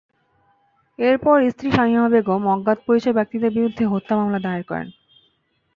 এরপর স্ত্রী শামিমা বেগম অজ্ঞাতপরিচয় ব্যক্তিদের বিরুদ্ধে হত্যা মামলা দায়ের করেন।